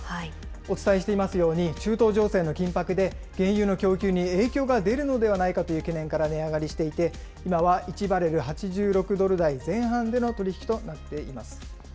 お伝えしていますように、中東情勢の緊迫で原油の供給に影響が出るのではないかという懸念から値上がりしていて、今は１バレル８６ドル台前半での取り引きとなっています。